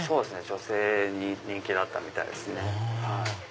女性に人気だったみたいですね。